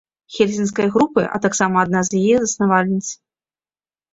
Хельсінскай групы, а таксама адна з яе заснавальніц.